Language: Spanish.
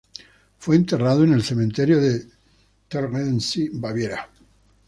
Fue enterrado en el Cementerio de Tegernsee, Baviera.